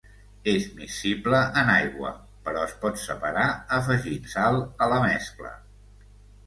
És miscible en aigua, però es pot separar afegint sal a la mescla.